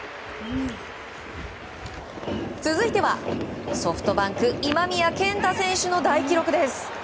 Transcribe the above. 続いてはソフトバンク、今宮健太選手の大記録です。